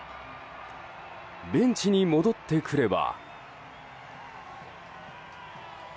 ベンチに戻ってくれば。